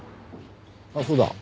あっそうだ。